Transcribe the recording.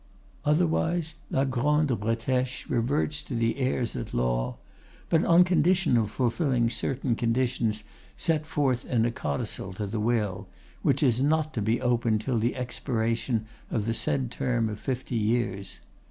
Otherwise la Grande Bretèche reverts to the heirs at law, but on condition of fulfilling certain conditions set forth in a codicil to the will, which is not to be opened till the expiration of the said term of fifty years.